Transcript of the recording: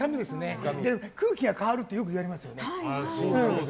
空気が変わるとよく言われますよね。